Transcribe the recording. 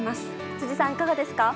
辻さん、いかがですか。